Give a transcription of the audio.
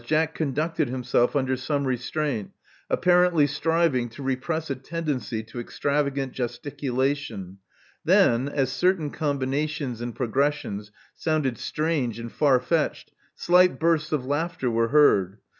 Jack conducted under some restraint, apparently striving to repress a tendency to extravagant gesticulation. Then, as certain combinations and progressions sounded strange and farfetched, slight bursts of laughter were heard.